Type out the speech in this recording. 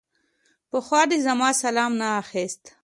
پخوا دې زما سلام نه اخيست.